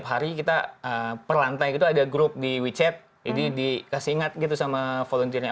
jadi kita per lantai itu ada grup di wechat jadi dikasih ingat gitu sama volunteer nya